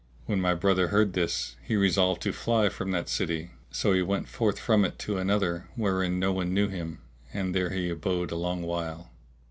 When my brother heard this, he resolved to fly from that city; so he went forth from it to another wherein none knew him and there he abode a long while.